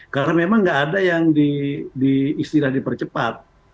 karena memang nggak ada yang diistilah dipercepat